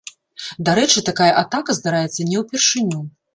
Дарэчы, такая атака здараецца не ўпершыню.